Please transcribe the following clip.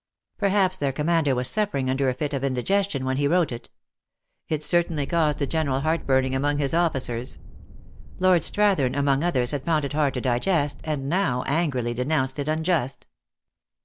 Perhaps their commander was suffering under a fit of indigestion when he wrote it. It certainly caused a general heart burning among his officers. Lord Strathern, among others, had found it hard to digest, and now angrily denounced it unjust.